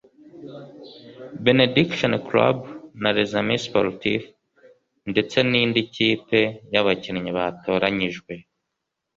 Benediction Club na Les Amis Sportifs ndetse n’indi kipe y’abakinnyi batoranyijwe